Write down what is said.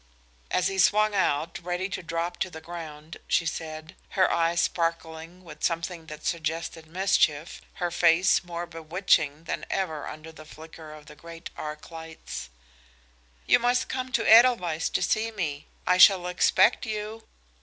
As he swung out, ready to drop to the ground, she said, her eyes sparkling with something that suggested mischief, her face more bewitching than ever under the flicker of the great arc lights: "You must come to Edelweiss to see me. I shall expect you!"